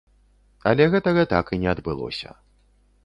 Але гэтага так і не адбылося.